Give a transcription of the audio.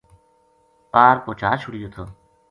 پار پوہچا چھُڑیو تھو